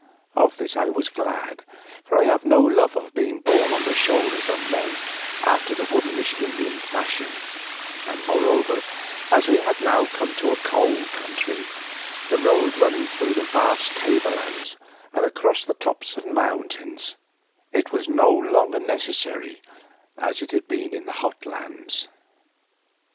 Of this I was glad, for I have no love of being borne on the shoulders of other men after the womanish Indian fashion, and, moreover, as we had now come to a cold country, the road running through vast table lands and across the tops of mountains, it was no longer necessary as it had been in the hot lands.